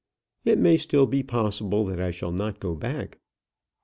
It may still be possible that I shall not go back."